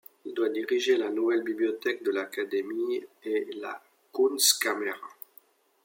Il doit diriger la nouvelle Bibliothèque de l'Académie et la Kunstkamera.